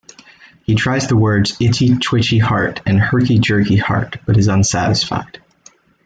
He tries the words "itchy twitchy heart" and "herky jerky heart" but is unsatisfied.